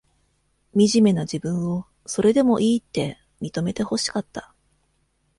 みじめな自分を、それでもいいって、認めてほしかった。